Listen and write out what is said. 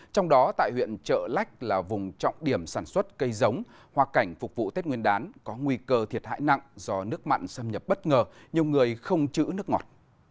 trong đó tại huyện trợ lách là vùng trọng điểm sản xuất cây giống hoa cảnh phục vụ tết nguyên đán có nguy cơ thiệt hại nặng do nước mặn xâm nhập bất ngờ nhiều người không chữ nước ngọt